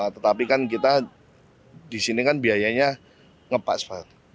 tetapi kan kita di sini kan biayanya ngepas pak